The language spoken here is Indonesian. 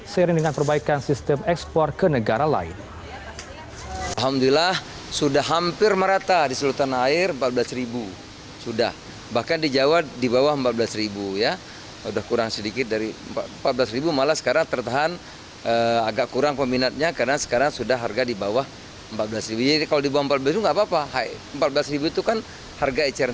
sering dengan perbaikan sistem ekspor ke negara lain